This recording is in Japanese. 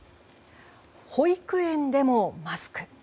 保育園でもマスク。